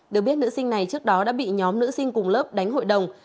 được biết nữ sinh này trước đó đã bị nhóm nữ sinh cùng lớp đánh hội đồng